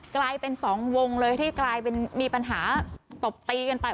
กลายเป็นสองวงเลยที่กลายเป็นมีปัญหาตบตีกันไป